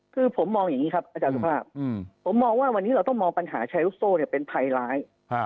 เมื่อกี้ผมจะนำคำนี้